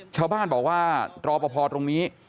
ชาวบ้านบอกว่ารอปภตรงนี้